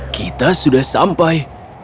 kita sudah sampai